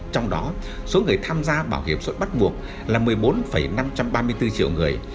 trong đó số người tham gia bảo hiểm xã hội bắt buộc là một mươi bốn năm trăm ba mươi bốn triệu người